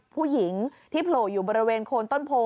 ผู้หญิงที่โผล่อยู่บริเวณโคนต้นโพ